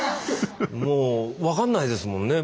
もう分かんないですもんね。